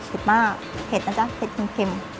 เผ็ดมากเผ็ดนะจ๊ะเผ็ดขึ้นเข็ม